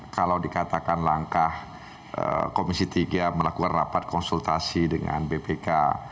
kalau dikatakan langkah komisi tiga melakukan rapat konsultasi dengan bpk